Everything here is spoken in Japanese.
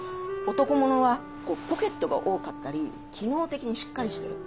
男物はポケットが多かったり機能的にしっかりしてる。